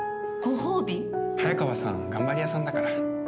早川さん、頑張り屋さんだから。